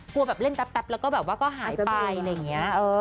กลัวเร่งแปปแล้วก็หายไป